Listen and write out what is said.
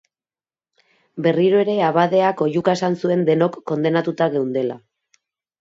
Berriro ere abadeak ohiuka esan zuen denok kondenatuta geundela